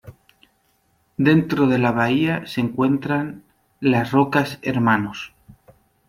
Dentro de la bahía se encuentran las Rocas Hermanos.